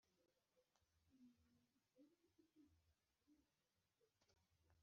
politiki n abanyapolitiki nk uko ryahinduwe